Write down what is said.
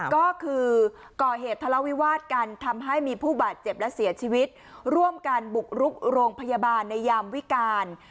ก็คือก่อเหตุทะเลาวิวาสกันทำให้มีผู้บาดเจ็บและเสียชีวิตร่วมกันบุกรุกโรงพยาบาลในยามวิการ